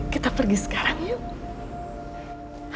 kita pergi sekarang yuk